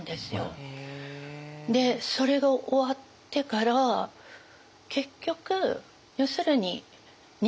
それが終わってから結局要するになるほど。